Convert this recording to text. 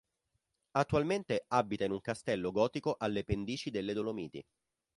Attualmente abita in un castello gotico alle pendici delle Dolomiti.